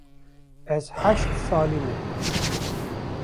Ez heşt salî me.